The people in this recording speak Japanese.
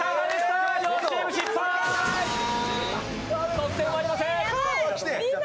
得点はありません。